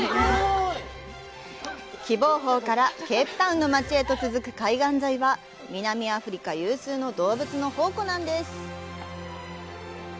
喜望峰からケープタウンの街へと続く海岸沿いは南アフリカ有数の動物の宝庫なんです。